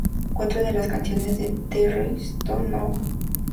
Cuatro de las canciones de "The Rolling Stones, Now!